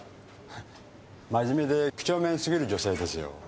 真面目で几帳面すぎる女性ですよ。